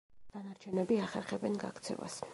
დანარჩენები ახერხებენ გაქცევას.